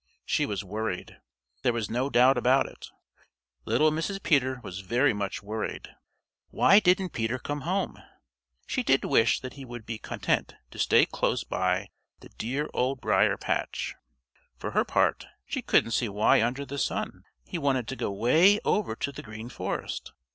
She was worried. There was no doubt about it. Little Mrs. Peter was very much worried. Why didn't Peter come home? She did wish that he would be content to stay close by the dear Old Briar patch. For her part, she couldn't see why under the sun he wanted to go way over to the Green Forest.